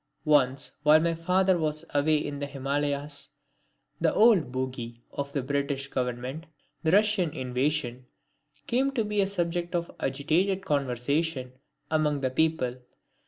Once while my father was away in the Himalayas, that old bogey of the British Government, the Russian invasion, came to be a subject of agitated conversation among the people.